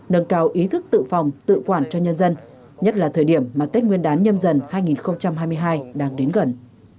nâng cao ý thức tự phòng tự quản cho nhân dân nhất là thời điểm mà tết nguyên đán nhâm dần hai nghìn hai mươi hai đang đến gần